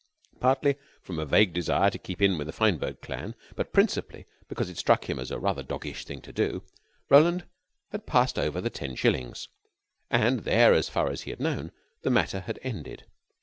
Partly from a vague desire to keep in with the Fineberg clan, but principally because it struck him as rather a doggish thing to do, Roland had passed over the ten shillings; and there, as far as he had known, the matter had ended.